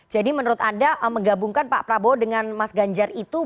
jadi menurut anda menggabungkan pak prabowo dengan mas ganjar itu